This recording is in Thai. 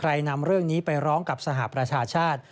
นำเรื่องนี้ไปร้องกับสหประชาชาติ